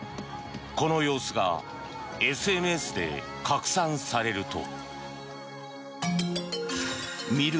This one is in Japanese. この様子がＳＮＳで拡散されると。